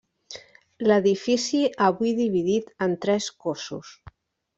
L'edifici avui dividit en tres cossos.